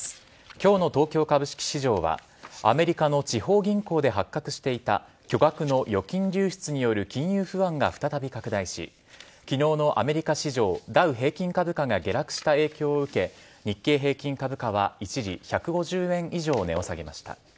今日の東京株式市場はアメリカの地方銀行で発覚していた巨額の預金流出による金融不安が再び拡大し昨日のアメリカ市場ダウ平均株価が下落した影響を受け日経平均株価は一時１５０円以上値を下げました。